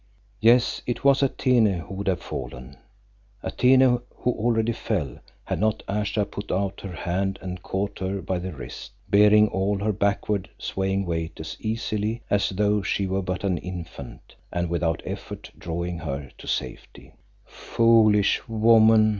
Yes it was Atene who would have fallen, Atene who already fell, had not Ayesha put out her hand and caught her by the wrist, bearing all her backward swaying weight as easily as though she were but an infant, and without effort drawing her to safety. "Foolish woman!"